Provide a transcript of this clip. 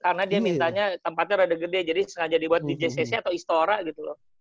karena dia minta tempatnya agak gede jadi sengaja dibuat di jcc atau istora gitu loh